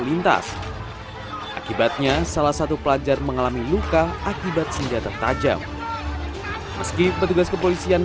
lintas akibatnya salah satu pelajar mengalami luka akibat senjata tajam meski petugas kepolisian